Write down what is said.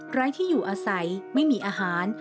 ใครที่อยู่อาศัยไม่มีอาหาร